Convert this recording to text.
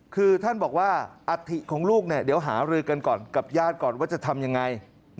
คือท่านบอกว่าอัฐิของลูกเนี่ยเดี๋ยวหารือกันก่อนกับญาติก่อนว่าจะทำยังไง